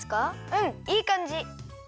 うんいいかんじ。